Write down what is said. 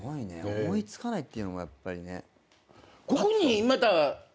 思い付かないっていうのがやっぱりね。